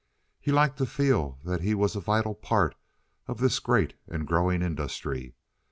He liked to feel that he was a vital part of this great and growing industry.